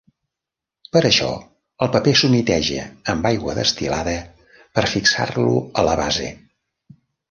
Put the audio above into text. Per això, el paper s'humiteja amb aigua destil·lada per fixar-lo a la base.